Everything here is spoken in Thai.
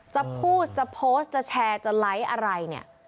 จะพูดจะโพสต์จะแชร์จะไลค์อะไรเนี่ย